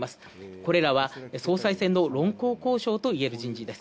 これらは総裁選の論功行賞といえる人事です。